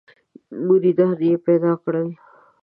مریدان یې پیدا کړل.